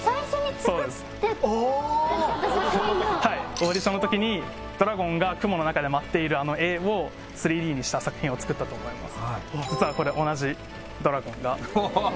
オーディションの時にドラゴンが雲の中で舞っているあの絵を３Ｄにした作品をつくったと思います